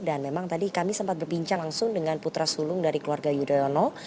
dan memang tadi kami sempat berbincang langsung dengan putra sulung dari keluarga yudhoyono